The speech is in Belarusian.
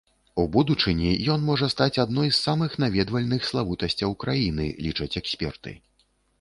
У будучыні ён можа стаць адной з самых наведвальных славутасцяў краіны, лічаць эксперты.